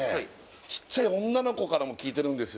ちっちゃい女の子からも聞いてるんですよ